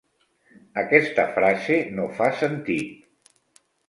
Aquesta frase no fa sentit.